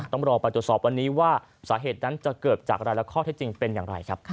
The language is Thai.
ต้องรอไปตรวจสอบวันนี้ว่าสาเหตุนั้นจะเกิดจากอะไรและข้อเท็จจริงเป็นอย่างไรครับ